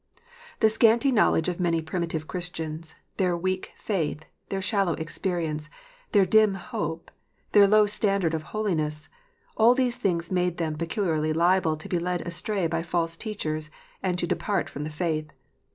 The scanty knowledge of many primitive Christians, their weak faith, their shallow experience, their dim hope, their low standard of holiness, all these things made them peculiarly liable to be led astray by false teachers, and to depart from the faith.